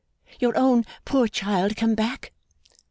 Your own poor child come back!